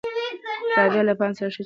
رابعه له پاڼې سره ښه چلند نه کوي.